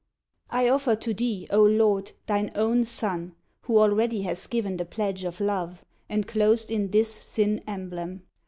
"I offer to thee, O Lord, thine own Son, who already has given the pledge of love, enclosed in this thin emblem.